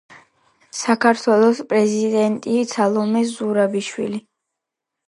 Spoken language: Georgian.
საქართველოს პრეზიდენტია სალომე ზურაბიშვილი